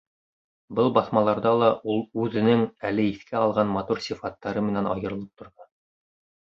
Был баҫмаларҙа ла ул үҙенең әле иҫкә алған матур сифаттары менән айырылып торҙо.